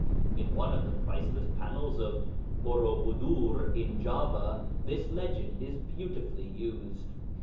In one of the priceless panels of Bôrôbudûr in Java this legend is beautifully used.